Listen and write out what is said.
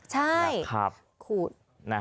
ใช่ขูด